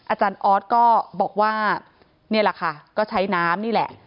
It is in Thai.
อาจารย์ออสก็บอกว่านี่แหละค่ะก็ใช้น้ำนี่แหละ